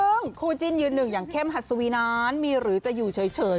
ซึ่งคู่จิ้นยืนหนึ่งอย่างเข้มหัสวีนั้นมีหรือจะอยู่เฉย